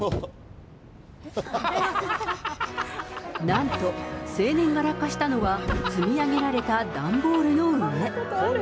なんと、青年が落下したのは積み上げられた段ボールの上。